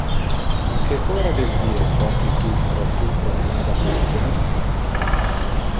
A que hora del die sorti tu pro tu promenada quotidian?